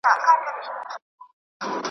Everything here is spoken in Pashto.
نن د جنګ میدان ته ځي خو توپ او ګولۍ نه لري .